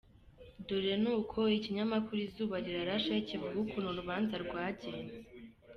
Dore n’uko ikinyamakuru izuba rirashe kivuga ukuntu urubanza rwagenze